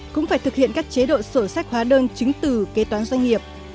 cũng phải thực hiện các chế độ sổ sách hóa đơn chứng từ kế toán doanh nghiệp